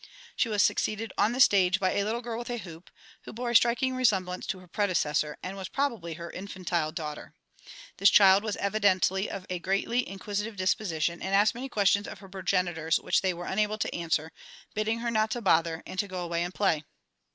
She was succeeded on the stage by a little girl with a hoop, who bore a striking resemblance to her predecessor, and was probably her infantile daughter. This child was evidently of a greatly inquisitive disposition, and asked many questions of her progenitors which they were unable to answer, bidding her not to bother, and to go away and play.